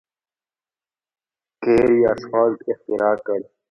قیر یا سفالټ اختراع کړ.